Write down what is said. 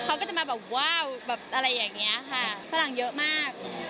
เขาก็จะมาแบบว่าวแบบอะไรอย่างนี้ค่ะฝรั่งเยอะมาก